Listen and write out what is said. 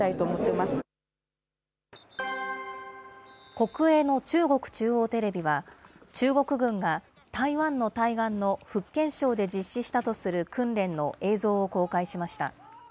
国営の中国中央テレビは、中国軍が台湾の対岸の福建省で実施したとする訓練の映像を公開しました。